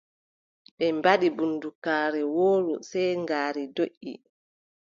Ɓe mbaɗi bundugaaru wooru sey ngaari doʼi.